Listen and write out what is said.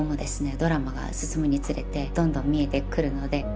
ドラマが進むにつれてどんどん見えてくるので。